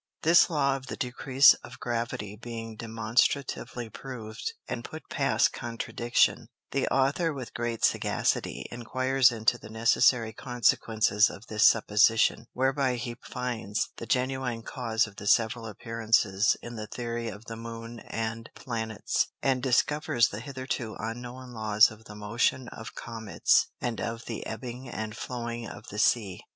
This Law of the decrease of Gravity being demonstratively proved, and put past contradiction; the Author with great Sagacity, inquires into the necessary Consequences of this Supposition; whereby he finds the genuine Cause of the several Appearances in the Theory of the Moon and Planets, and discovers the hitherto unknown Laws of the Motion of Comets, and of the Ebbing and flowing of the Sea.